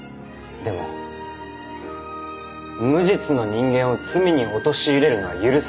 でも無実の人間を罪に陥れるのは許せません。